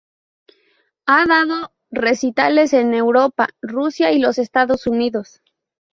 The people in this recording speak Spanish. Ha dado recitales en Europa, Rusia y los Estados Unidos.